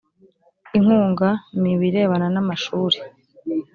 inkunga mi birebana n amashuri